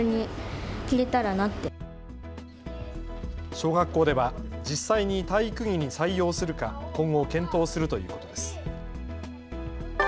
小学校では実際に体育着に採用するか今後、検討するということです。